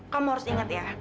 kamu harus inget ya